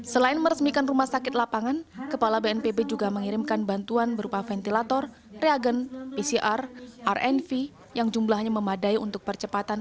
selain meresmikan rumah sakit lapangan kepala bnpb juga mengirimkan bantuan berupa ventilator reagen pcr rnv yang jumlahnya memadai untuk percepatan